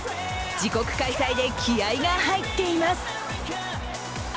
自国開催で気合いが入っています。